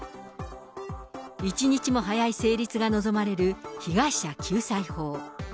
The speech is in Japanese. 一日も早い成立が望まれる被害者救済法。